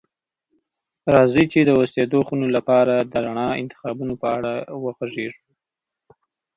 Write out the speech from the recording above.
راځئ چې د اوسیدو خونې لپاره د رڼا انتخابونو په اړه وغږیږو.